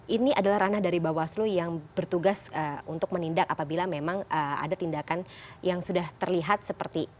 ini adalah ranah dari bawaslu yang bertugas untuk menindak apabila memang ada tindakan yang sudah terlihat seperti